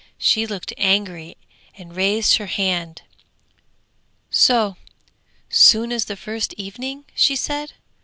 She looked angry and raised her hand. 'So soon as the first evening!' she said.